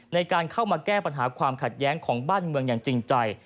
ในการเข้ามาแก้ปัญหาความขัดแย้งของบ้านเมืองอย่างจริงใจ